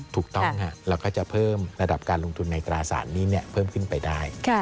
ถูกต้องเราก็จะเพิ่มระดับการลงทุนในตราสารหนี้เพิ่มขึ้นไปได้